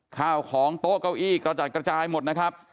ข้าวของโต๊ะเก้าอี้กระจัดกระจายหมดนะครับ